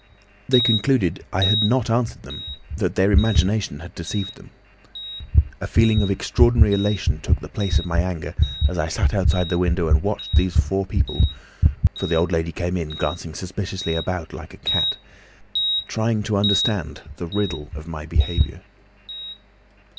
They concluded I had not answered them, that their imagination had deceived them. A feeling of extraordinary elation took the place of my anger as I sat outside the window and watched these four people—for the old lady came in, glancing suspiciously about her like a cat, trying to understand the riddle of my behaviour.